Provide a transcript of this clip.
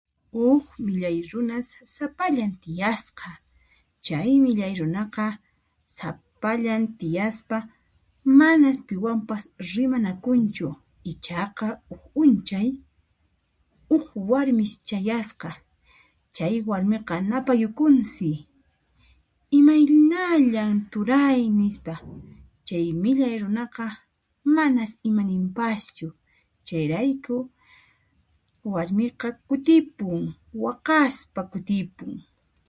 Ukllay runa sapallan tiyasqa, chay millay runaqa sapallan tiyaspa manas piwanpas rimanakunchu ichaqa uq p'unchay uq warmis chayasqa chay warmiqa napayukunsi IImaynallan turay¡ nisqa, chay millay runaqa manas imaninpaschu chayrayku warmiqa kutipun, waqaspa kutipun.